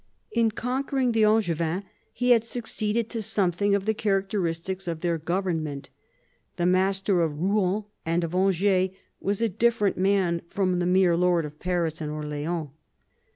In conquering the Angevins he had succeeded to something of the characteristics of their government. The master of Rouen and of Angers was a different man from the mere lord of Paris and Orleans.